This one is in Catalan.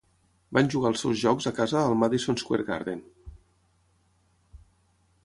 Van jugar els seus jocs a casa al Madison Square Garden.